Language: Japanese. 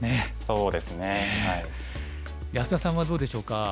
安田さんはどうでしょうか。